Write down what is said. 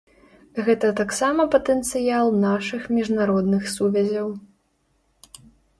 Гэта таксама патэнцыял нашых міжнародных сувязяў.